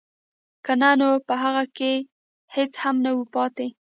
که نه نو په هغه کې هېڅ هم نه وو پاتې